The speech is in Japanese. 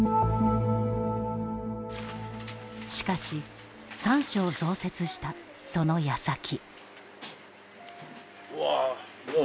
しかし、３床増設したそのやさき。